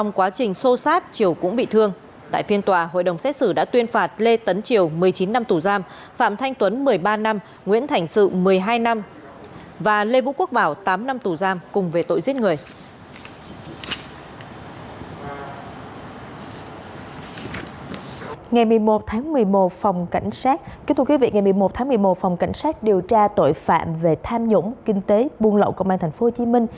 ngày một mươi một tháng một mươi một phòng cảnh sát điều tra tội phạm về tham nhũng kinh tế buôn lậu công an tp hcm